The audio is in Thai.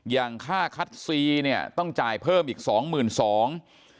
อย่างค่าคัตซีต้องจ่ายเพิ่มอีก๒๒๐๐๐บาท